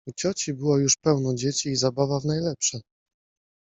U cioci było już pełno dzieci i zabawa w najlepsze.